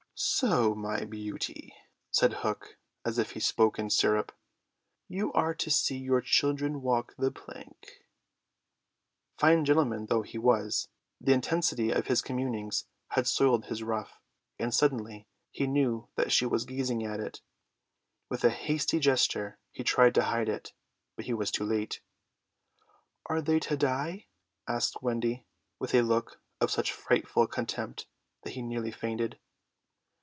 "So, my beauty," said Hook, as if he spoke in syrup, "you are to see your children walk the plank." Fine gentlemen though he was, the intensity of his communings had soiled his ruff, and suddenly he knew that she was gazing at it. With a hasty gesture he tried to hide it, but he was too late. "Are they to die?" asked Wendy, with a look of such frightful contempt that he nearly fainted.